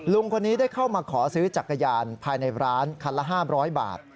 ลุงคนนี้ได้เข้ามาขอซื้อจักรยานภายในร้านคันละ๕๐๐บาท